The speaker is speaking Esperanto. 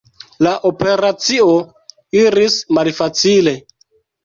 La operacio iris malfacile.